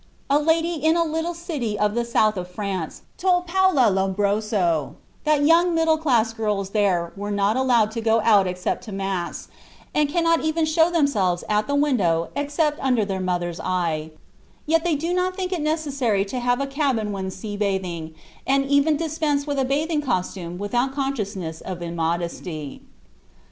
A lady in a little city of the south of Italy, told Paola Lombroso that young middle class girls there are not allowed to go out except to Mass, and cannot even show themselves at the window except under their mother's eye; yet they do not think it necessary to have a cabin when sea bathing, and even dispense with a bathing costume without consciousness of immodesty.